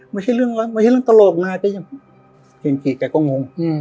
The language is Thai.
ไม่ใช่เรื่องไม่ใช่เรื่องตลกน่ะจริงจริงจริงแต่ก็งงอืม